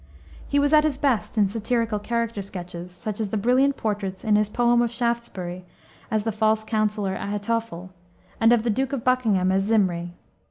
He was at his best in satirical character sketches, such as the brilliant portraits in this poem of Shaftesbury, as the false counselor, Ahitophel, and of the Duke of Buckingham as Zimri.